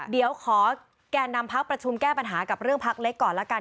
เดี๋ยวขอแก่นำพักประชุมแก้ปัญหากับเรื่องพักเล็กก่อนละกัน